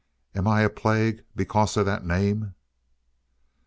Am I a plague because of that name?"